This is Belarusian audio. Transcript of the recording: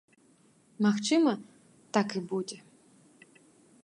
Магчыма, так і будзе.